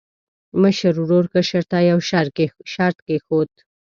مشر ورور کشر ته یو شرط کېښود.